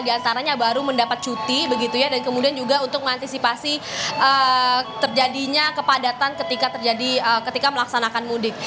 di antaranya baru mendapat cuti begitu ya dan kemudian juga untuk mengantisipasi terjadinya kepadatan ketika terjadi ketika melaksanakan mudik